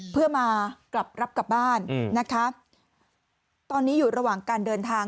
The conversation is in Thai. เพื่อมากลับรับกลับบ้านนะคะตอนนี้อยู่ระหว่างการเดินทาง